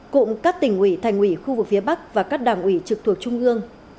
cùng các tỉnh ủy thành ủy khu vực phía bắc và các đảng ủy trực thuộc trung ương